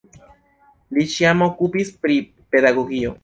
Li ĉiam okupiĝis pri pedagogio.